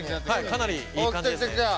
かなりいい感じですね。